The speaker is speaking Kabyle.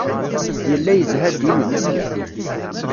Yella yezha dima.